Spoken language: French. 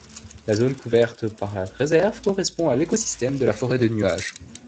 La zone couverte par la réserve correspond à l'écosystème de la forêt de nuage.